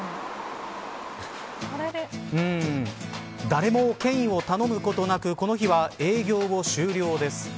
誰もケインを頼むことなくこの日は営業を終了です。